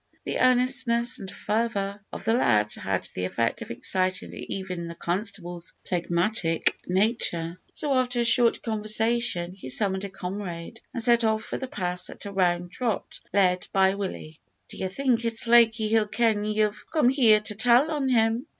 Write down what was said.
The earnestness and fervour of the lad had the effect of exciting even the constable's phlegmatic nature; so, after a short conversation, he summoned a comrade, and set off for the pass at a round trot, led by Willie. "D'ye think it's likely he'll ken ye've come here to tell on him?"